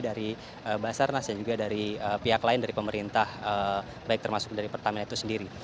dari basarnas dan juga dari pihak lain dari pemerintah baik termasuk dari pertamina itu sendiri